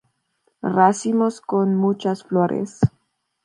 Racimos con muchas flores.